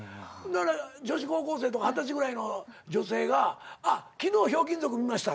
女子高校生とか二十歳ぐらいの女性が「あっ昨日『ひょうきん族』見ました」